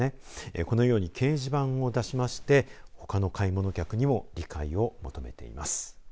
このように掲示板も出しましてほかの買い物客にも理解を求めています。